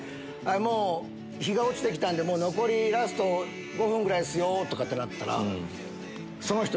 もう日が落ちて来たんで残りラスト５分ぐらいですよ！とかってなったら。